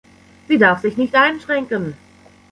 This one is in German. Sie darf sich nicht einschränken.